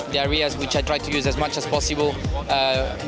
di kawasan yang saya coba gunakan seberapa mungkin